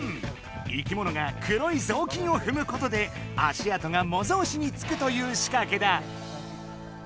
生きものが黒いぞうきんをふむことで足あとが模造紙につくというしかけだ。